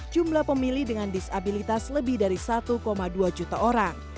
jumlah pemilih dengan disabilitas lebih dari satu dua juta orang